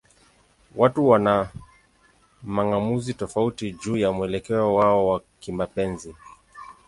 Watu wana mang'amuzi tofauti juu ya mwelekeo wao wa kimapenzi.